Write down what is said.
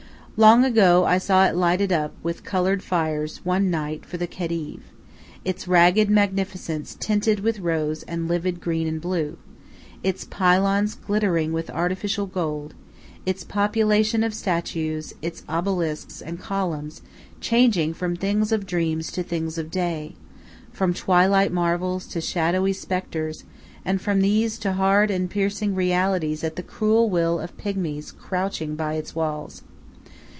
Long ago I saw it lighted up with colored fires one night for the Khedive, its ravaged magnificence tinted with rose and livid green and blue, its pylons glittering with artificial gold, its population of statues, its obelisks, and columns, changing from things of dreams to things of day, from twilight marvels to shadowy specters, and from these to hard and piercing realities at the cruel will of pigmies crouching by its walls.